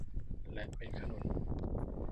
และเม็ดขนุน